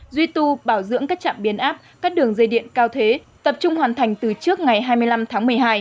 duy tu bảo dưỡng các trạm biến áp các đường dây điện cao thế tập trung hoàn thành từ trước ngày hai mươi năm tháng một mươi hai